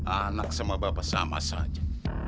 anak sama bapak sama saja